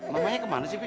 mamanya kemana sih bi